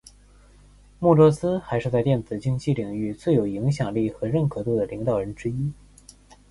穆洛兹还是在电子竞技领域最有影响力和认可度的领导人之一。